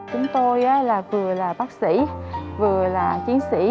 chúng tôi vừa là bác sĩ vừa là chiến sĩ